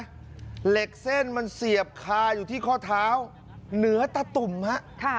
เหล็กเส้นมันเสียบคาอยู่ที่ข้อเท้าเหนือตะตุ่มฮะ